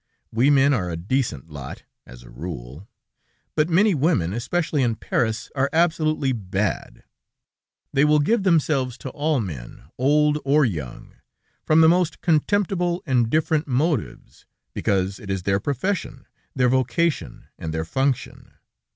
We men are a decent lot, as a rule, but many women, especially in Paris, are absolutely bad. They will give themselves to all men, old or young, from the most contemptible and different motives, because it is their profession, their vocation, and their function.